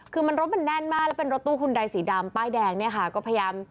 คือรถมันแน่นมากแล้วเป็นรถตู้หุ่นใดสีดำป้ายแดงก็พยายาม